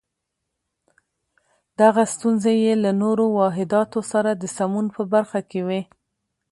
دغه ستونزې یې له نورو واحداتو سره د سمون په برخه کې وې.